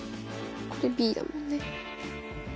これｂだもんね。